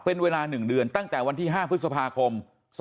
เป็นเวลา๑เดือนตั้งแต่วันที่๕พฤษภาคม๒๕๖